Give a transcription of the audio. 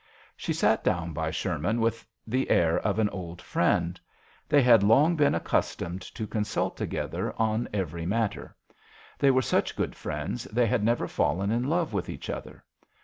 She sat down by Sherman with the air of an old friend. They had long been accustomed JOHN SHERMAN. 31 to consult together on every matter. They were such good friends they had never fallen in love with each other.